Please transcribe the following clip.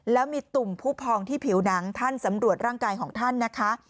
แล้วมีตุ่มผู้พองที่ผิวหนังท่านสำรวจร่างกายของท่านนะคะ